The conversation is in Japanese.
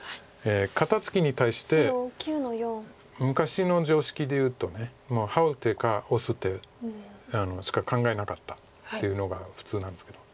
肩ツキに対して昔の常識でいうとハウ手かオス手しか考えなかったっていうのが普通なんですけど。